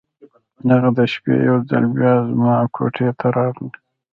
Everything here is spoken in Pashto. هغه د شپې یو ځل بیا زما کوټې ته راغی.